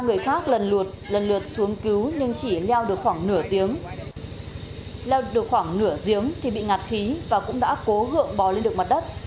ba người khác lần lượt xuống cứu nhưng chỉ leo được khoảng nửa giếng thì bị ngạt khí và cũng đã cố gượng bò lên được mặt đất